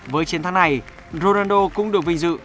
với chiến thắng này ronaldo cũng được vinh dự